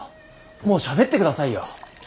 もうしゃべってくださいよ。